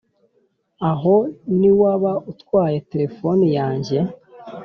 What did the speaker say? Aho niwaba utwaye telefoni yanjye